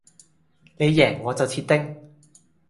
你贏我就切丁